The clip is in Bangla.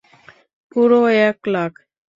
পুরো এক লাখ!